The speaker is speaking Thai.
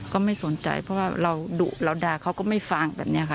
ก็ไม่สนใจเพราะว่าเราดุเราด่าเขาก็ไม่ฟังแบบนี้ค่ะ